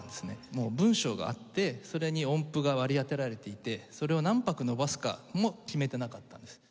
もう文章があってそれに音符が割り当てられていてそれを何拍伸ばすかも決めてなかったんです。